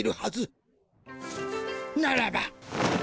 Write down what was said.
ならば。